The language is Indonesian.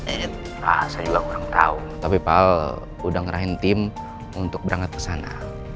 ya saya juga kurang tahu tapi pak al udah ngerahin tim untuk berangkat ke sana